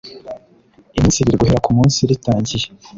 iminsi ibiri guhera ku munsi ritangiye